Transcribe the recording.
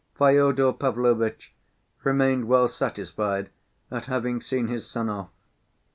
Fyodor Pavlovitch remained well satisfied at having seen his son off.